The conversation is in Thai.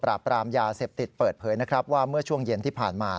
ปราบปรามยาเสพติดเปิดเผยนะครับว่าเมื่อช่วงเย็นที่ผ่านมา